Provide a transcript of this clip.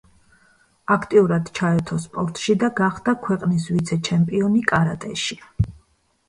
აქტიურად ჩაერთო სპორტში და გახდა ქვეყნის ვიცე-ჩემპიონი კარატეში.